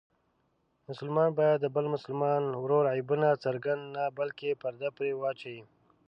مسلمان باید د بل مسلمان ورور عیبونه څرګند نه بلکې پرده پرې واچوي.